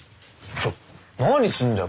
ちょ何すんだよ！